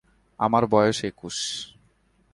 আমার বয়স একুশ।